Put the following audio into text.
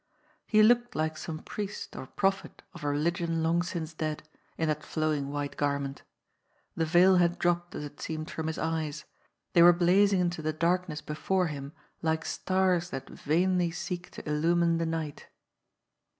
He looked like some priest or prophet of a religion long since dead, in that flowing white garment. The veil had dropped, as it seemed, from his eyes. They were blazing into the darkness before him like stars that yainly seek to illumine the night.